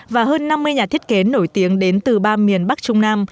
và hơn năm mươi nhà thiết kế nổi tiếng đến từ ba miền bắc trung nam